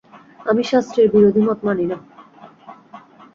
আমি শাস্ত্রের বিরোধী মত মানি না।